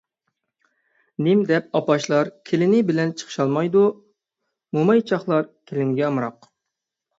نېمىدەپ ئاپاشلار كېلىنى بىلەن چىقىشالمايدۇ؟ مومايچاقلار كېلىنگە ئامراق؟